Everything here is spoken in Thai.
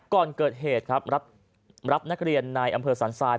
ก่อนเกิดเหตุครับรับนักเรียนในอำเภอสันทราย